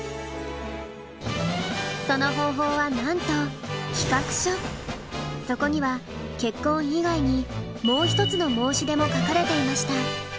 その方法はなんとそこには結婚以外にもう一つの申し出も書かれていました。